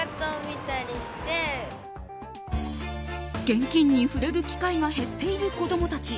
現金に触れる機会が減っている子供たち。